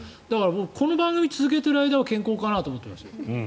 この番組を続けている間は健康かなと思っています。